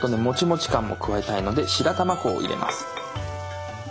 もちもち感も加えたいので白玉粉を入れます。